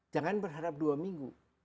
jangan berharap dua minggu